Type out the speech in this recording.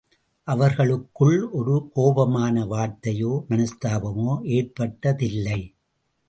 அவர்களுக்குள் ஒரு கோபமான வார்த்தையோ, மனஸ்தாபமோ ஏற்பட்டதில்லை.